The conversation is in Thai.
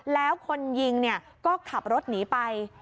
แล้วคนยิงก็ขับรถหนีไป